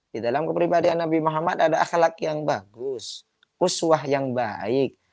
di dalam kepribadian nabi muhammad ada akhlak yang bagus puswah yang baik